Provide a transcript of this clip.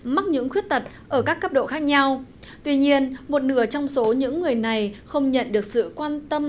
mắc những khuyết tật ở các cấp độ khác nhau tuy nhiên một nửa trong số những người này không nhận được sự quan tâm